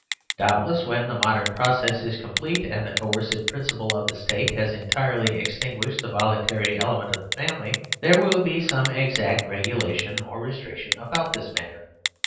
Doubtless when the modern process is complete, and the coer cive principle of the state has entirely extin guished the voluntary element of the family, there will be some exact regulation or restric tion about the matter.